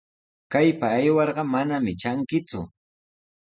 Kaypa aywarqa manami trankiku.